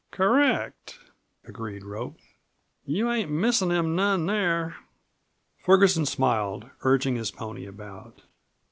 "Correct," agreed Rope. "You ain't missin' them none there." Ferguson smiled, urging his pony about.